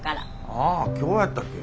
ああ今日やったっけ。